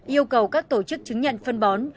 yêu cầu các tổ chức chứng nhận phân bón